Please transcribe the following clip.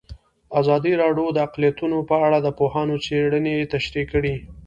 ازادي راډیو د اقلیتونه په اړه د پوهانو څېړنې تشریح کړې.